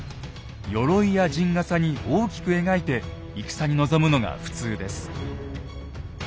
よろいや陣がさに大きく描いて戦に臨むのが普通です。